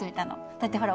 だってほら